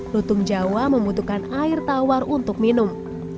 lutung jawa membutuhkan air tawar untuk minum